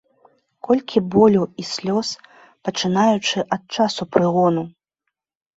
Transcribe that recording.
Колькі болю і слёз, пачынаючы ад часу прыгону!